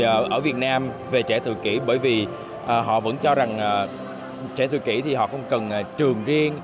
người ở việt nam về trẻ tự kỳ bởi vì họ vẫn cho rằng trẻ tự kỳ thì họ không cần trường riêng